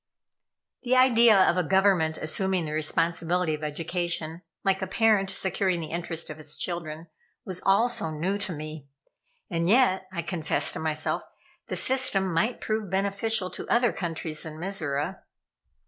The idea of a Government assuming the responsibility of education, like a parent securing the interest of its children, was all so new to me; and yet, I confessed to myself, the system might prove beneficial to other countries than Mizora.